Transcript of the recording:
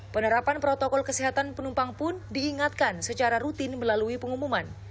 penerapan protokol kesehatan penumpang pun diingatkan secara rutin melalui pengumuman